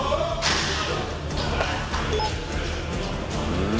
うん。